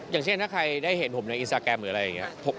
อย่างเช่นถ้าใครได้เห็นผมในอินสตาแกรมหรืออะไรอย่างนี้